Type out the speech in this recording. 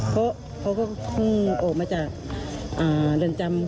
เพราะแม่บอกว่ามีใครถูกบังคมของเขา